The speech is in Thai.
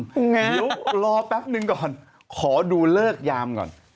เดี๋ยวรอแปปหนึ่งก่อนขอดูเลิกยามก่อน